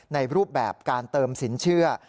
รูปแบบการเติมสินเชื่อ